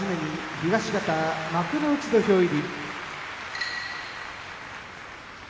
東方幕内土俵入り。